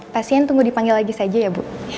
pasien tunggu dipanggil lagi saja ya bu